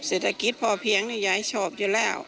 เศรษฐกิจพอเพียงนี่ยายชอบอยู่แล้ว